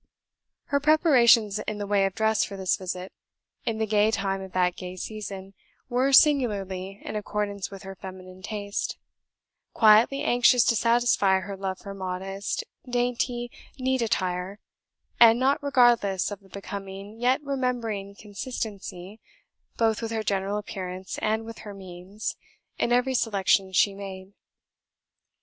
Her preparations in the way of dress for this visit, in the gay time of that gay season, were singularly in accordance with her feminine taste; quietly anxious to satisfy her love for modest, dainty, neat attire, and not regardless of the becoming, yet remembering consistency, both with her general appearance and with her means, in every selection she made.